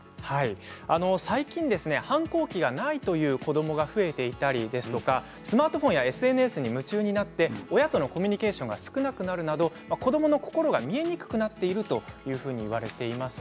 最近、反抗期がないという子どもが増えていたりスマートフォンやＳＮＳに夢中になって親とのコミュニケーションが少なくなるなど子どもの心が見えにくくなっているというふうにいわれています。